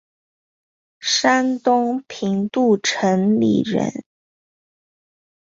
山东平度城里人。